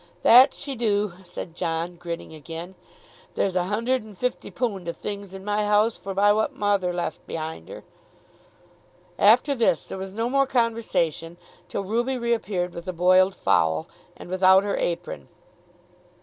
"That she do," said John, grinning again. "There's a hun'erd and fifty poond o' things in my house forbye what mother left behind her." After this there was no more conversation till Ruby reappeared with the boiled fowl, and without her apron.